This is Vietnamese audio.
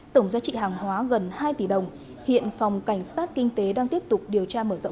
tổng giá trị hàng hóa gần hai tỷ đồng hiện phòng cảnh sát kinh tế đang tiếp tục điều tra mở rộng